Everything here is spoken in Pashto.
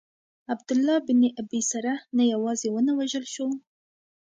عبدالله بن ابی سرح نه یوازي ونه وژل سو.